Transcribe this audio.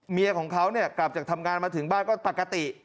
เมียของเขาเนี่ยกลับจากทำงานมาถึงบ้านก็ปกติ